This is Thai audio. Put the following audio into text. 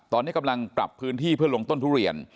ตอนนี้กำลังปรับพื้นที่เพื่อลงต้นทุเรียน